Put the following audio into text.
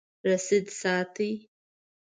رسید ساتئ؟